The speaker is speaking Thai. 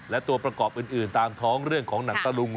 และตัวประกอบอื่นตามท้องเรื่องของหนังตะลุง